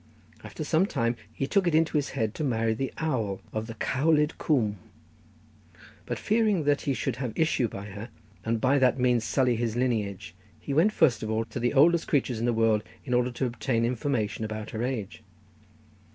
After some time he took it into his head to marry the owl of the Cowlyd Coomb; but fearing he should have issue by her, and by that means sully his lineage, he went first of all to the oldest creatures in the world, in order to obtain information about her age.